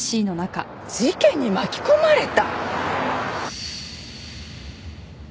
事件に巻き込まれた！？